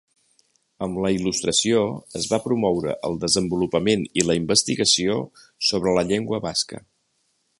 Amb la Il·lustració es va promoure el desenvolupament i la investigació sobre la llengua basca.